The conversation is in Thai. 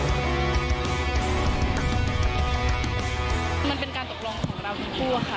มันเป็นการตกลงของเราทั้งคู่อะค่ะ